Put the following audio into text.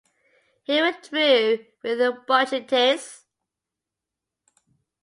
He withdrew with bronchitis.